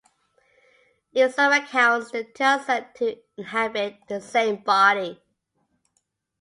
In some accounts, the two are said to inhabit the same body.